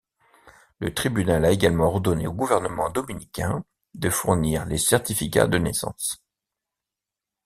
Le tribunal a également ordonné au gouvernement dominicain de fournir les certificats de naissance.